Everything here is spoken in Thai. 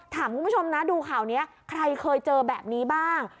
คุณผู้ชมนะดูข่าวนี้ใครเคยเจอแบบนี้บ้าง